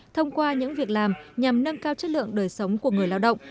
thông qua những việc làm nhằm nâng cao chất lượng đời sống của người lao động